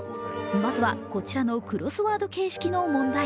まずはこちらのクロスワード形式の問題。